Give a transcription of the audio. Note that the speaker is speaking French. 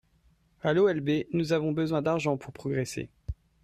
A l'OLB, nous avons besoin d'argent pour progresser.